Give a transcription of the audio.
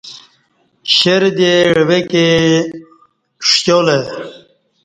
ـشیردے ،عوہ کے، ݜیولہ